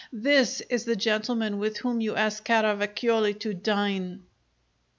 This is the gentleman with whom you ask Caravacioli to dine!"